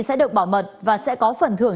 sẽ được bảo mật và sẽ có phần thưởng